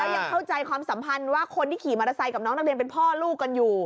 ยังเข้าใจความสัมพันธ์ว่าคนที่ขี่มอเตอร์ไซค์กับน้องนักเรียนเป็นพ่อลูกกันอยู่